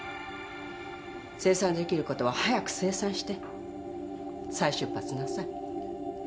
清算できることは早く清算して再出発なさい。